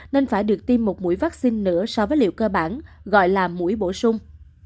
nên phải được tiêm một mũi vaccine nữa so với liệu cơ bản gọi là mũi bổ sung